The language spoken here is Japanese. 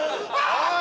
おい！